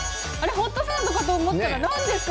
ホットサンドかと思ったらなんですか？